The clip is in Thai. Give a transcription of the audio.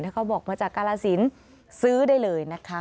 เขาบอกมาจากกาลสินซื้อได้เลยนะคะ